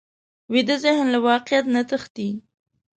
ویده ذهن له واقعیت نه تښتي